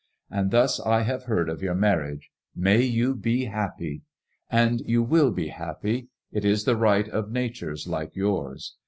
And thus I have heard of your mar riage. May you be happy I And you will be happy. It is the right of natures like yours.